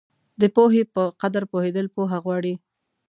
د پوهې په قدر پوهېدل پوهه غواړي.